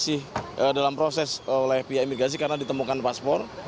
masih dalam proses oleh pihak imigrasi karena ditemukan paspor